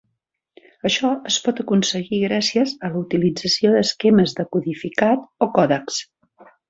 Això es pot aconseguir gràcies a la utilització d'esquemes de codificat o còdecs.